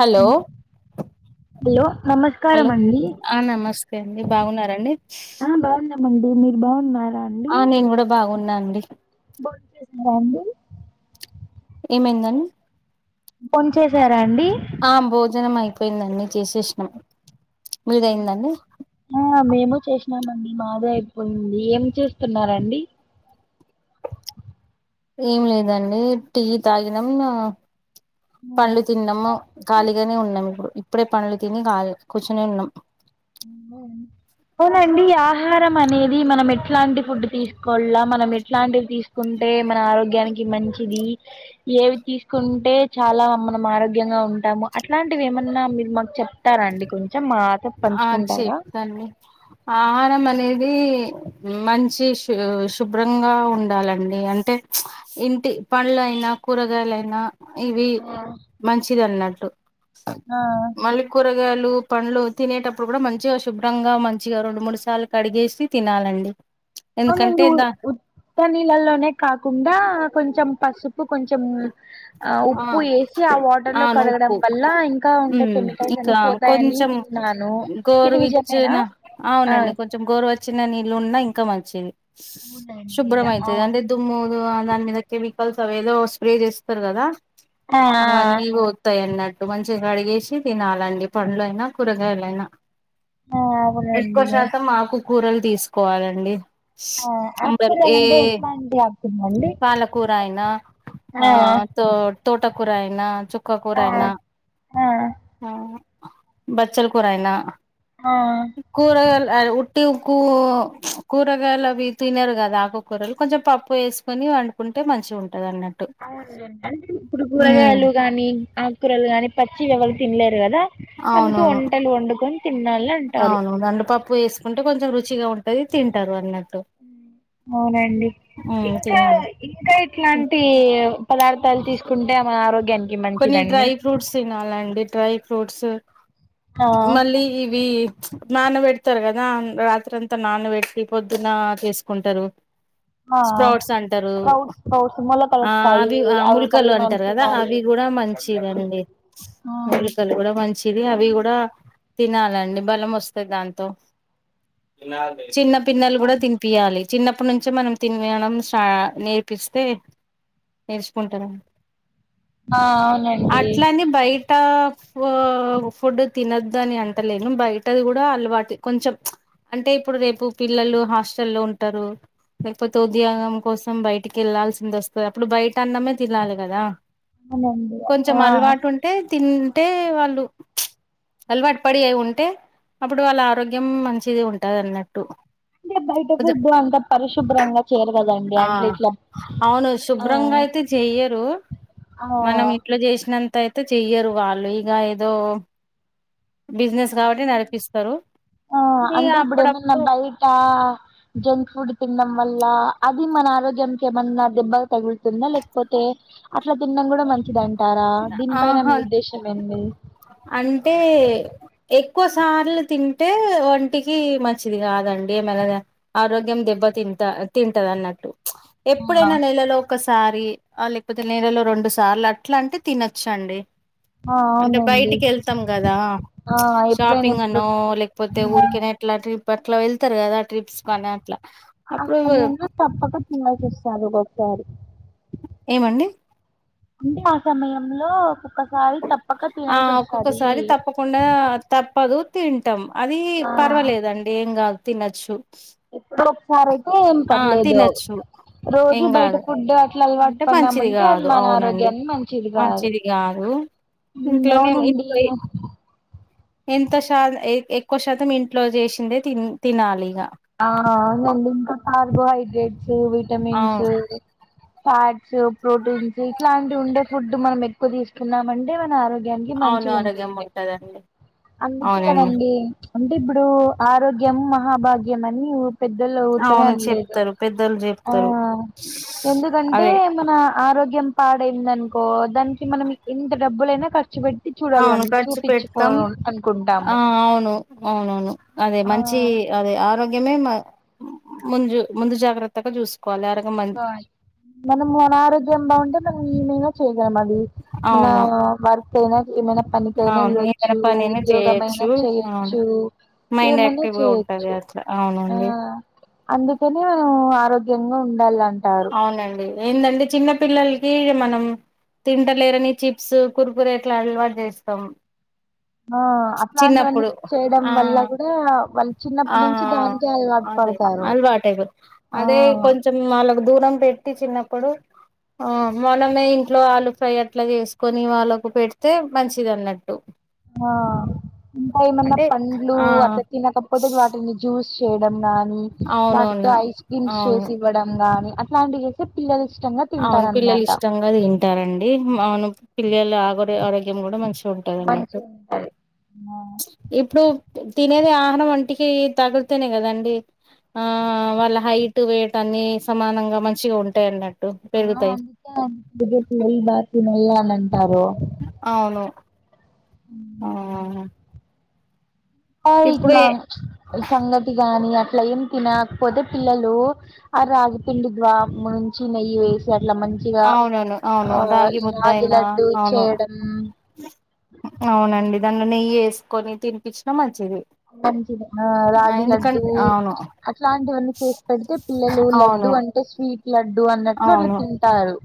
Hello hello నమస్కారం hello అండి నమస్తే అండి బాగున్నారండి మంది నిర్భా ఉన్నారు ఆ నేను కూడా బాగున్నా అండి [unintelligible] ఏమైందండి [unintelligible] చేసారా అండి ఆ భోజనం అయిపోయిందండి చేసేసినం మీధి అయిందండి ఆ మేము చేసినామండి మాదే అయిపోయింది ఏం చేస్తున్నారండి ఏం లేదండి టీ తాగినం పండ్లు తిన్నాము ఖాళీగానే ఉన్నాము ఇప్పుడు ఇప్పుడే పనులు థిని కళిగ కూచునేన్నాం అ అవునండి ఆహారం అనేది మనం ఎట్లాంటి ఫుడ్ తీసుకోవాల మనం ఎట్లాంటివి తీసుకుంటే మన ఆరోగ్యానికి మంచిది ఏవి తీసుకుంటే చాలా మనం ఆరోగ్యంగా ఉంట అట్లాంటివి ఏమన్నా మీరు మాకు చెప్తారండి కొంచెం మాతో పంచు నా చెప్తాన్ ఆహారం అనేది ఇది మంచి శు శుభ్రంగా ఉండాలండి అంటే ఇంటి పండ్లు అయినా కూరగాయలయినా ఇవి ఆ మంచిది అన్నట్టు ఆ మళ్ళీ కూరగాయలు పండ్లు తినేటప్పుడు కూడా మంచిగా శుభ్రంగా మంచిగా రెండు మూడు సార్లు కడిగేసి తినాలండి ఎందుకంటే అవునండి దా ఉత్త నీళ్ళలోనే కాకుండా కొంచెం పసుపు ఉప్పు కొంచెం ఆ ఉప్పు వేసి ఆ వాటర్ లో అవును కడగడం వల్ల ఇంకా ఉండే కెమికల్ ఇకా కొంచెం ఇది గోరువి నిజమేనా ఇచ్చిన ఆ అవునండి కొంచెం గోరవచ్చ చిన్న నీళ్ళు ఉన్నా ఇంకా మంచిది అవునండి శుభ్రం ఆ అయితుది అంటే దుమ్ము దాని మీద కెమి కలిసి అవేదో స్ప్రే చేస్తారు కదా ఆ అవన్నీ పోతాయి అన్నట్ టు మంచిగా అడిగేసి తినాలండి పండ్లు అయినా కూరగాయలైనా ఆ ఎక్కువ అవునండి శాతం మాకు కూరలు తీసుకోవాలండి ఆ అబరి ఏ ఆకుకూరలంటే ఎట్లాంటి ఆకుకూరలండి పాలకూరయినా ఆ తో తోటకూర అయినా చుక్క కూర ఆ అయినా ఆ బచ్చలు కూరయినా ఆ కూరగా టి కూ కూరగాయలు అవి తినారు కదా ఆకుకూరలు కొంచెం పప్పు వేసుకొని వండుకుంట అ మంచి ఉంటుది అన్నట్టు అవున అంటే ఇప్పుడు ఉమ్ కూరగాయలు గానీ ఆకూరలు గాని పచ్చి ఎవరు తినలేరు కదా అందుకు అవునవును వంటలు వండుకొని తినాలి అంటారు అవును ఎంండపప్పు వేసుకుంటే కొంచెం రుచి మంచిగా ఉంటుంది తింటారు అన్నది అవునండి ఉమ్ ఇంకా తినాలి ఇంకా ఇట్లాంటి పదార్థాలు తీసుకుంటే మన ఆరోగ్యాన్ని కొన్ని డ్రై ఫ్రూట్స్ తినాలండి డ్రై ఫ్రూట్స్ ఆ మళ్ళీ ఇవి నాన్న పెడతారు కదా రాత్రి అంతా నాన్నబట్టి పొద్దున తీసుకుంటారు ఆ స్పౌట్స్ అంటారు స్ప్రౌట్స్ స్ప్రౌట్స్ మొలకలు ఆ వస్తాయి అవి ఆ మళ్ళీ ముల్కలు మనం అంటారు కదా అవి తినాలి అవి కూడా మంచిదిండి ఆ మూలికలు కూడా మంచిది అవి కూడా తినాలండి బలం వస్తంది దాంతో చిన్న పిన్నలు కూడా తినిపియాలి చిన్నప్పటి నుంచి మనం తనిడం స్టా నేర్పిస్తే నేర్చుకుంటారా ఆ అవునండి తపు ఫుడ్ తినద్దు అని అంటలేను బయటది కూడా అలవాటు కొంచెం అంటే ఇప్పుడు రేపు పిల్లలు హాస్టల్ల్లో ఉంటారు లేకపోతే ఉద్యోగం కోసం బయటికి వెళ్లాల్సింది వస్తుంది అప్పుడు బయట అన్నమే తినాలి కదా అవునండి ఆ కొంచెం అలవాటు ఉంటే తింటే వాళ్ళు అలవాటు పడి అయి ఉంటే అప్పుడు వాళ్ళ ఆరోగ్యం మంచిది ఉంటది అన్నట్టు అంటే కొంచెం బయటకుుడ్డు అంత పరిశుభ్రంగా చేరు ఆ అవును ఆ శుభ్రంగా అయితే చెయ్యరు ఆ మనం ఇట్ల చేసినంత అయితే చెయ్యరు వాళ్ళు ఇక ఏదో బిజినెస్ కాబట్టి నడిపిస్తారు ఆ ఇగ అంటే ఇప్పుడు ఏమైన్నా అప్పుడప్పుడు బయట జంక్ ఫుడ్ తిన్నడం వల్ల అది మన ఆరోగ్యంనికి ఏమన్నా దెబ్బగా తగులుతుందా లేకపోతే అట్లా తి కూడా మంచిది అంటారా దీనిపైన ఆహా మీ ఉద్దేశం ఏంది అంటే ఎక్కువ సార్లు తింటే ఒంటికి మంచిది కాదండి మలా ఆరోగ్యం దెబ్బతి తింటా తింటది అన్నట్టు ఆ ఎప్పుడైనా నెలలో ఒకసారి లేకపోతే నెలలో రెండు సార్లు అట్లా అంటే తినచ్చ అండీ ఆ! అంటే అవునండి బయటికి వెళ్తాం కదా ఆ ఎప్పుడైనా షాపింగ్ ఇప్పుడు అనో లేకపోతే హ్మ్. ఊరికనే అట్లా ట్రిప్ అట్లా వెళ్తారు కదా ఆ ట్రిప్స్ కాని అట్లా ఆ అప్పుడు సమయంలో తప్పక తడాసిస్తనుక్కొసారి ఏమండి అంటే ఆ సమయంలో ఒక్కొక్కసారి తప్పక ఆ తినాల్సి వస్తది ఒక్కొక్కసారి తప్పకుండా తప్పదు తింటాం అది ఆ పర్వాలేదండి ఏం కాదు తినచ్చు ఎప్పుడో ఒకసారైతే ఏం పర్లేదే తినొచ్చు రోజు ఏం బయట కాదు ఫుడ్డే అట్ల అలవాటు అంటే మంచిది పన్నామంటే అది కాదు మన అవునండి ఆరోగ్యాన్ని మంచిది కాదు ఊ ఇంట్లోనే అవునండి ఇంట్లో ఎంత శాత ఎ ఎక్కువ శాతం ఇంట్లో చేసిందే తిన్ తినాలి ఇంగ ఆ మళ్ళీ ఇంకా కార్బోహైడ్రేట్స్ విటమిన్స్ అవును ఫ్యాట్స్ ప్రోటీన్స్ ఇట్లాంటి ఉండే ఫుడ్ మనం ఎక్కువ తీసుకున్నమంటే మన ఆరోగ్యం గ్యానికి మంచి అవును ఆరోగ్యం ఉంటుంది ఉంటదండి అందుకే అవునండి కదండి అంటే ఇప్పుడు ఆరోగ్యం మహాభాగ్యం అని ఊర్ పెద్దోలు ఊరికనే అవును అనలేదు చెప్తారు పెద్దోళ్ళు ఆ చెప్తారు ఎందుకంటే అదే మన ఆరోగ్యం పాడైందనుకో దానికి మనం ఇంత డబ్బులైనా కర్ అవును ఖర్చు పెడతాం ఆ అనుకుంటాము అవును అవునవును అదే ఆ మంచి చి అదే ఆరోగ్యమే మ ముందు ముందు జాగ్రత్తగా చూస్ చూసుకోవాలి మనం అనారోగ్యం బాగుంటే మనం ఈనింగ ఏమది మన అవును వర్క్ అయినా ఏమైనా పనికయినా అవును వెళ్ళొచ్చు ఏదైనా పనైనా ఉద్యోగం అయినా చేయొచ్చు అవును చేయొచ్చు మైండ్ ఏమన యాక్టివ్ గా ఉంటది చేయొచ్చు అట్లా ఆ అవునండి అందుకనే ఆరోగ్యంగా ఉండాలం అవునండి ఏందంటే చిన్న పిల్లలకి మనం తింటలేరని చిప్స్ కుర్కురే ఇట్ల అలవాటు చేస్తాం ఆ అట్లాంటివన్నీ చిన్నప్పుడు చేయడం ఆ వల్ల కూడా వాళ్ళు చిన్నప్పటి నుంచి దానికే అటు పడతా అలవాటైపోతది అదే కొంచెం వాళ్ళకు దూరం పెట్టి చిన్నప్పుడు ఆ మనమే ఇంట్లో ఆలు ఫ్రై అట్లా చేసుకొని వాళ్ళకు పెడితే మంచిది అన్నట్టు ఆ ఇంకా ఏమన్న అంటే పండ్లు ఆ అట్లా తినకపోతే వాటిని జ్యూస్ చేయడం గానీ వాటితో అవునవును ఐస్ క్రీమ్స్ అవును చేసి ఇవ్వడం గాని అట్లాంటివి చేేస్తె పిల్లలు ఇష్టంగా అవును పిల్లలు తింటారనమాట ఇష్టంగా తింటారండి అవును పిల్లలు ఆగోరె ఆరోగ్యం కూడా మంచి ఉంటదన్నట్టు మంచిగా ఉంటది ఇప్పుడు తినేది ఆహరం ఒంటికి తగులుతేనే కదండి ఆ వాళ్ళ హైట్ వెయిట్ అన్ని సమానంగా మంచిగ ఉంటాయన్నట్టు ఆ అంత పెద్ద పిల్లలు [unintelligible] అవును ఆ ఆ ఇప్పుడు ఇట్ల ఏ సంగటిగానీ అట్ ఇట్ల ఏం తినాక్ పోతే పిల్లలు ఆ రాగిపిండి ద్వా మంచి నెయ్యి వేసి గట్ల మంచిగా అవునవును అవును ఆ ముద్ద రాగి అయినా లడ్డు అవును చేయడం అవునండి దానిలో నెయ్యి ఏసుకొని తినిపిచిన మంచిదే ఆ రాగి లడ్డు అవును అట్లాంటివన్నీ చేసి పెడితే పిల్లలు లడ్డు అవును అంటు స్వీట్ లడ్డు అన్నట్లు అట్ల అవును తింటారు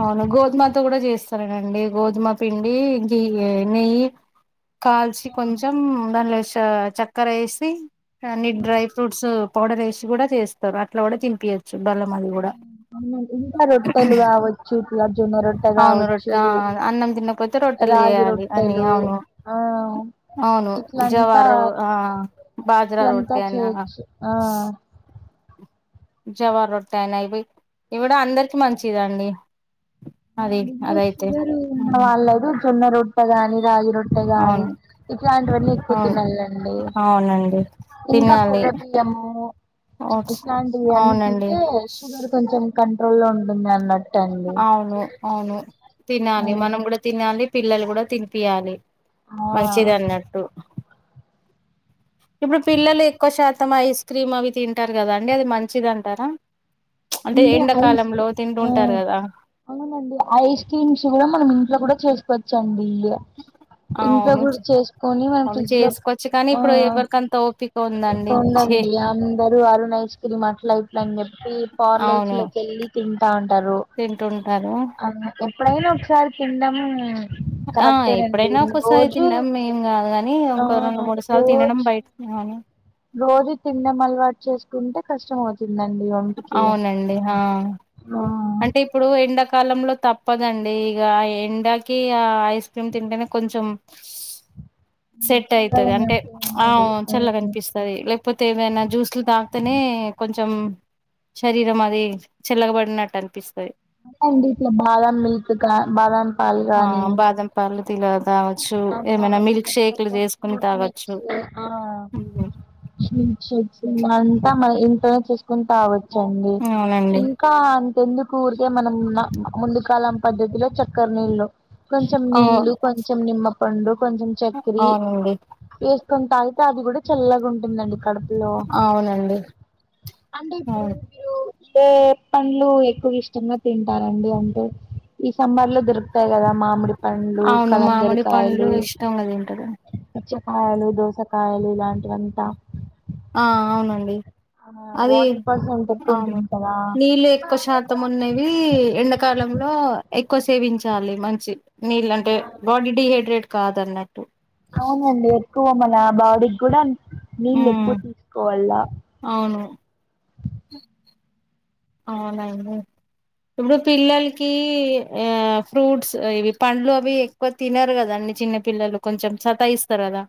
అవును గోధుమతో కూడా చేస్తానేనండి గోధుమ పిండి గీ నెయ్యి కాల్చి కొంచెం దానిలో ష చక్కర వేసి అన్ని డ్రై ఫ్రూట్స్ పౌడర్ వేసి కూడా చేస్తారు అట్లా కూడా తినిపియచ్చు బెల్లం అది కూడా ఇంకా రొట్టలు కావచ్చు చూట్ల జొన్న రొట్టె అవును కావచ్చు రొట్టె ఆ అన్నం తినకపోతే రొట్టెలు రాగి చేయాలి అని రొట్టెలు అవును ఆ అవును ఇట్లంతా జవారు ఆ బాజరా ఇట్లంతా రొట్టె అయినా చేయచ్చు ఆ జవార్ రొట్టే అయిన ఇవి ఇవి కూడ అందరికి మంచిదండి ఆ అది నిండు అదైతే షుగర్ ఉన్న ఉమ్, వాళ్ళకు జొన్న రొట్టె గాని రాగి రొట్టె గాని అవును ఇట్లాంటివన్నీ ఎక్కువ అవును తినాలండి అవునండి ఇంకా కొర తినాలి బియ్యము ఓట్స్ ఇట్లాంటివన్నీ అవునండి తింటే షుగర్ కొంచెం కంట్రోల్ లో ఉంటుంది అన్నట్టు టండి అవును అవును తినాలి మనం కూడా తినాలి పిల్లలు కూడా తినిపియాలి ఆ మంచిది అన్నట్టు ఇప్పుడు పిల్లలు ఎక్కువ శాతం ఐస్ క్రీమ్ అవి తింటారు కదా అండి అది మంచిది అంటారా అంటే ఇంగా ఐస్ ఎండకాలంలో తింటు ఆ అవునండి ఐస్ క్రీమ్స్ కూడా మనం ఇంట్లో కూడా చేసుకోవచ్చండి ఇగ ఇంట్లో అవును కూడా చేసుకొని మనం అవును ఫ్రిడ్జ్ లో చేసుకోవచ్చు కానీ ఆ ఇప్పుడు ఎవరికంత ఓపిక ఇక ఉందండి ఉండాలి చే డి అందరు అరునైస్క్రీమ్ అట్లా అని చెప్పి పార్లర్స్ అవును లోకి వెళ్ళి తింటా అంటారు తింటుంటారు అ ఎప్పుడైనా ఒకసారి తినడము ఆ ఎప్పుడైనా ఒక్కసారి తినడం మేం కాదు కాని, ఆ ఒక రెండు మూడు సార్లు తినడం రోజు బయటమని రోజు తినడం అలవాటు చేసుకుంటే కష్టం అవుతుంది అవునండి ఆ ఆ అంటే ఇప్పుడు ఎండాకాలంలో తప్పదండి ఇక ఎండాకి ఆ ఐస్ క్రీమ్ తింటేనే కొంచెం సెట్ చల్లగా అవుతది అంటే ఉన్నట్టు ఆ ఉంటది చల్ల కనిపిస్తది లే పోతే ఏమైనా జ్యూస్లు తాగితేనే కొంచెం శరీరం అది చల్లగబడినట్టు అనిపిస్ అండిట్లో బాదం మిల్క్ కా బాదం పాల్ కానీ కావచ్చు ఏమైనా మిల్క్ షేక్లు లేకపోతే చేసుకుని ఫ్రూట్ తాగాచ్చు జిమ్ చేస్తే మంతా మల్లి ఇంట్లోనే చూసుకుని తావచ్చండి అవునండి ఇంకా ఎందుకు ఉరికె మనం ముందు కాలం పద్ధతిలో చక్కర నీళ్లు కొంచెం అవు నీళ్లు, కొంచెం నిమ్మ పండు, కొంచెం చక్కర అవునండి వె కొంత అయితే అది కూడా చల్లగా ఉంటుందండి కడపులో అవునండి అంటే అవును పండ్లు ఎక్కువ ఇష్టంగా తింటారండి అంటే ఈ సమ్మర్ లో దొ అంతే కదా మామిడి పండ్లు అవును మామిడి పండ్లు కలంగరకాయలు ఇష్టంగా తింటారు తెచ్ కాయలు దోసకాయలు ఇలాంటివంతా ఆ అవునండి అది వాటర్ పర్స్ అవును నీళ్ళు ఎక్కువ శాతం ఉన్నవి ఎండాకాలంలో ఎక్కువ సేవించాలి మంచి నీళ్ళు అంటే బాడీ డిహైడ్రేట్ కాదున్నట్టు అవునండి ఎక్కువ మన బాడీ కూడా నీళ్ళు ఉమ్ ఎప్పుడు తీసుకోవాల అవును అవునండి ఇప్పుడు పిల్లలకి ఆ ఫ్రూట్స్ ఇవి పండ్లు అవి ఎక్కువ తినరు కదండి చిన్న పిల్లలు కొంచెం సతాయిస్తారు కదా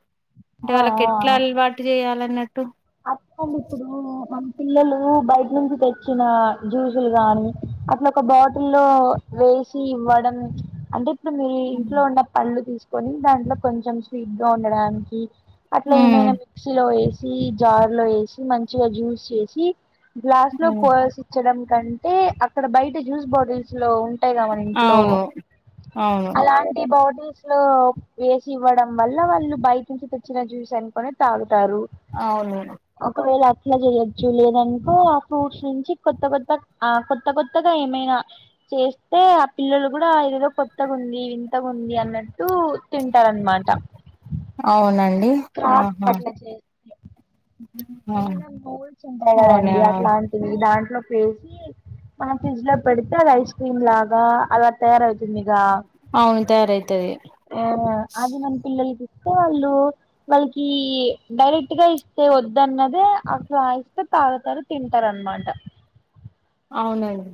అంటే వాళ్ళకి ఎట్లా అలవాటు చేయాలన్నట్టు అప్పుడు ఇప్పుడు మన పిల్లలు బయట నుంచి తెచ్చిన జ్యూసులు గాని అట్లా ఒక బాటిల్లో వేసి ఇవ్వడం అంటే ఇప్పుడు మీరు ఉ ఇంట్లో ఉన్న పళ్లు తీసుకొని దాంట్లో కొంచెం స్వీట్ గా ఉండడానికి అట్లా ఏమైనా ఉమ్ మిక్సీలో వేసి జార్ లో వేసి మంచిగా జ్యూస్ చేసి గ్లాస్ లో పోసిచ్చడం కంటే అక్కడ బయట జ్యూస్ బాటిల్స్ లో ఉంటాయిగ మన ఇంట్లో అవును అవును స్ లో వేసి ఇవ్వడం వల్ల వాళ్ళ బయటి నుంచి తెచ్చిన జ్యూస్ అనుకుని తాగు అవును ఒకవేళ అట్లా జయచ్చు లేదనుకో ఆ ఫ్రూట్స్ నుంచి కొత్త కొత్తగా ఆ కొత్త కొత్తగా ఏమై ఇగ చేస్తే ఆ పిల్లలు కూడా ఇదేదో కొత్తగుంది వింతగుంది అన్నట్టు త్తు తింటారన్మాట అవునండి క్రాఫ్ట్ ఆహా అట్లా చే ఆ ఏమైనా మూల్స్ ఉంటయి అవునా కదండి అట్లాంటివి దాంట్లో చేసి మనం ఫ్రిడ్జ్ లో పెడితే, అది ఐస్ క్రీమ్ లాగా అలా తయారవుతుందిగా! అవును తయారైతది ఆ అది మన పిల్లలకిస్తే వాళ్ళు వాళ్ళకి డైరెక్ట్ గా ఇస్తే వద్దన్నదే అట్ల ఇస్తే తాగుతారు తింటారన్ మాట. అవునండి.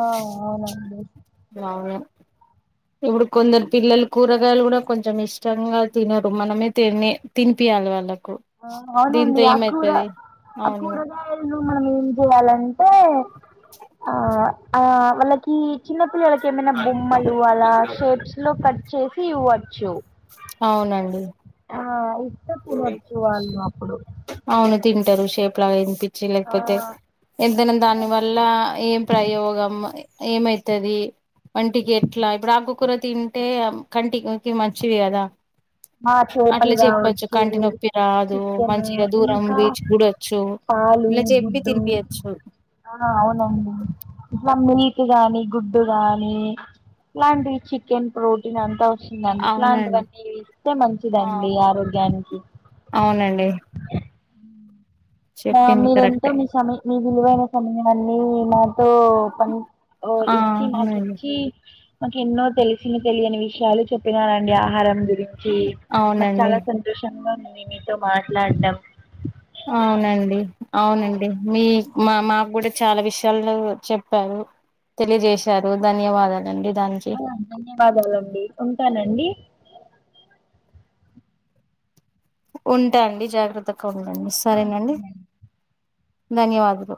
ఆ అవునండి. అవును. ఇప్పుడు కొందరు పిల్లలు కూరగాయలు కూడా కొంచెం ఇష్టంగా తినరు. మనమే తినే తిన్ పియాల వాళ్ళకి. ఆ అవునండి. ఆక్కూర, ఆ అవును కూరగాయలు, మనం ఏం చేయాలంటే, అ ఆ వాళ్ళకి చిన్న పిల్లళ్ళకి ఏమైనా బొమ్మలు అలా, షేప్స్ లో కట్ చేసి ఇవ్వచ్చు. అవునండి ఆ ఇస్ పో వాళ్ళు అప్పుడు తింటారు షేప్ లాగా వినిపిచ్చి. ఆ లేకపోతే, ఎంతైనా దానివల్ల ఏం ప్రయోగం, ఏమైతది? వంటికి ఎట్లా ఇప్పుడు ఆకుకూర తింటే, కంటికి మంచివి కదా! ఆ చేపల్గా కొంచెం కంటి నొప్పి రాదు. మంచిగా దూరం ఇంకా వి చూడొచ్చు ఇలా చెప్పి తినిపి అచ్చు. అవును. అవునండి. ఇట్లా మీట్ గాని, గుడ్డు గాని, ఇలాంటి చికెన్, ప్రోటీన్ అంతా వచ్చిందని అవునండి ఇట్లాంటివన్నీ, తింటే ఆ మంచిదండి ఆరోగ్యానికి. అవునండి మా చెప్పింది మీరెంతో, కరెక్టే మీ సమయ మీ విలువైన సమయాన్ని, మాతో పని ఆ ఇచ్చి, మా అవునండి కిచ్చి మాకు ఎన్నో తెలిసిన, తెలియని విషయాలు చెప్పినారండి. ఆహారం గురి రించి నాకు అవునండి చాలా సంతోషంగా ఉంది మీతో మాట్లాడం. అవునండి. అవునండి. మీ మా మాకు కూడ చాలా విషయ యాలు చెప్పారు. తెలియజేశారు. ధన్యవాదాలండి. దానికి ఆ ధన్యవాదాలండి. ఉంటానండి. ఉంటా అండి. జాగ్రత్తగా ఉండండి. ఆ సరేనండి. సరే ధన్యవాగుదు.